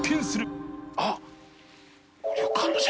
あっ。